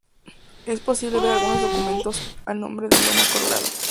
Es posible ver en algunos documentos el nombre de "Loma Colorada".